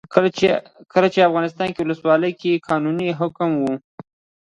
کله چې افغانستان کې ولسواکي وي قانون حاکم وي.